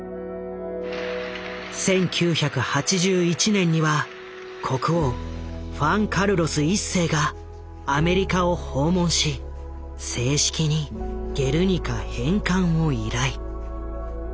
１９８１年には国王フアン・カルロス１世がアメリカを訪問し正式に「ゲルニカ」返還を依頼。